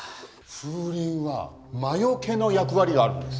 風鈴は魔除けの役割があるんです。